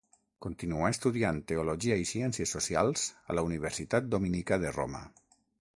Continuà estudiant teologia i ciències socials a la Universitat Dominica de Roma.